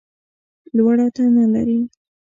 لوړه تنه لرې !